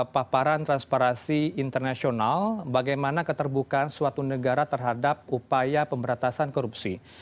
paparan transparansi internasional bagaimana keterbukaan suatu negara terhadap upaya pemberantasan korupsi